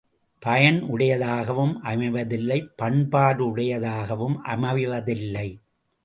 பயனுடையதாகவும் அமைவதில்லை பண்பாடுடையதாகவும் அமைவதில்லை.